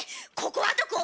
ここはどこ？